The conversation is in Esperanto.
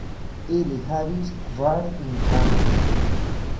Ili havis kvar infanojn.